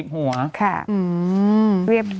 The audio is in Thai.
๔๐หัว